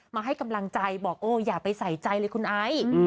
มาให้กำลังใจบอกโอ้อย่าไปใส่ใจเลยคุณไอ